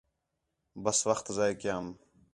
بس وخت ضائع کیام